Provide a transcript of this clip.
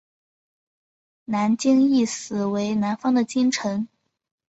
南京意思为南方的京城。